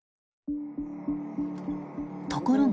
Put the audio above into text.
ところが。